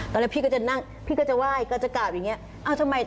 ตอนแรกพี่ก็จะนั่งพี่ก็จะว่ายก็จะกลับอย่างนี้